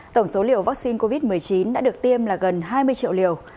tổng số liều vaccine covid một mươi chín đã được tiêm là gần hai mươi triệu liều